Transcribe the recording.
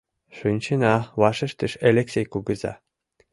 — Шинчена, — вашештыш Элексей кугыза.